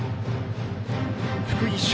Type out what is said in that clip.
福井翔